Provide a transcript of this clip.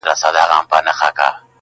لا ایله وه رسېدلې تر بازاره٫